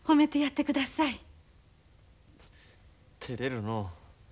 てれるのう。